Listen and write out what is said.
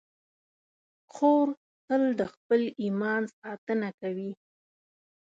خور تل د خپل ایمان ساتنه کوي.